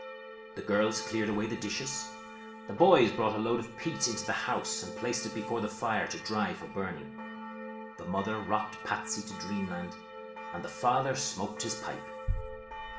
The girls cleared away the dishes; the boys brought a load of peat into the house, and placed it before the fire to dry for burning; the mother rocked Patsy to Dreamland, and the father smoked his pipe.